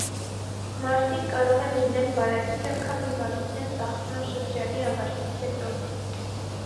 Մարդիկ կարող են լինել վարակիչ անգամ հիվանդության ծաղկման շրջանի ավարտից հետո։